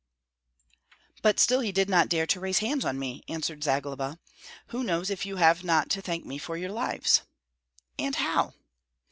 "But still he did not dare to raise hands on me!" answered Zagloba. "Who knows if you have not to thank me for your lives?" "And how?"